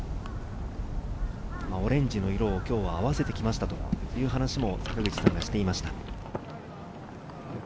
オレンジの色を今日は合わせてきましたという話も坂口さんがしていました。